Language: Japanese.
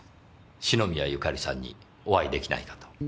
篠宮ゆかりさんにお会いできないかと。